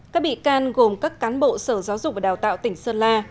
các bị can gồm các cán bộ sở giáo dục và đào tạo tỉnh sơn la